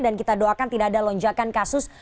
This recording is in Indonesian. dan kita doakan tidak ada lonjakan kasus